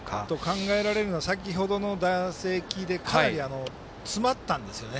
考えられるのは先ほどの打席でかなり詰まったんですよね